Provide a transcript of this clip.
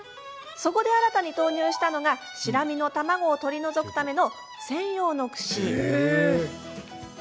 そこで新たに投入したのがシラミの卵を取り除くための専用のクシ。